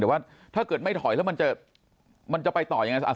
แต่ว่าถ้าเกิดไม่ถอยแล้วมันจะไปต่อยังไง